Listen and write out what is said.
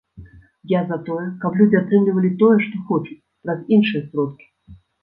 Я за тое, каб людзі атрымлівалі тое, што хочуць, праз іншыя сродкі.